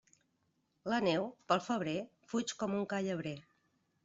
La neu, pel febrer, fuig com un ca llebrer.